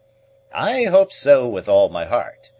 "I hope so with all my heart.